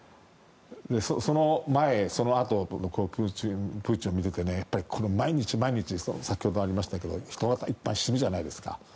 その前、そのあとのプーチンを見てて毎日、毎日先ほどもありましたけど人がいっぱい死ぬじゃないですか。